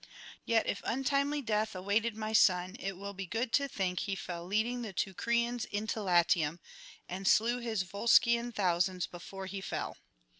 Yet if untimely death awaited my son, it will be good to think he fell leading the Teucrians into Latium, and slew his Volscian thousands before he fell.